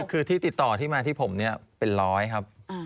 คือที่ติดต่อที่มาที่ผมเนี่ยเป็นร้อยครับ